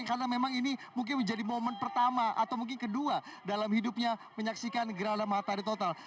karena memang ini mungkin menjadi momen pertama atau mungkin kedua dalam hidupnya menyaksikan gerahana matahari total